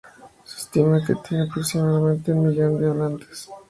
Se estima que tiene aproximadamente un millón de hablantes.